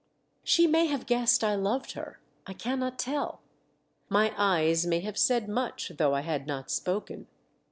She may have guessed I loved her. I cannot tell. My eyes may have said much, though I had not spoken.